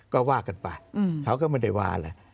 ก็ว่ากันป่ะเขาก็ไม่ได้ว่าล่ะ